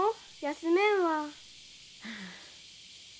休めんわ。